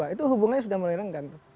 itu hubungannya sudah merenggang